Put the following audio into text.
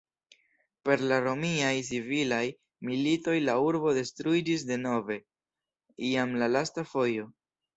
Per la Romiaj Civilaj Militoj la urbo detruiĝis denove, jam la lasta fojo.